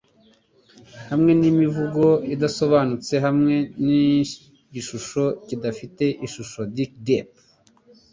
Hamwe nimivugo idasobanutse hamwe nigishushanyo kidafite ishusho dec'd pe